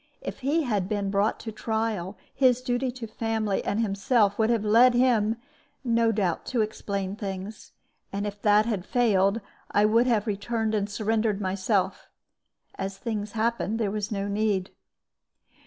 If he had been brought to trial, his duty to his family and himself would have led him, no doubt, to explain things. And if that had failed, I would have returned and surrendered myself. As things happened, there was no need.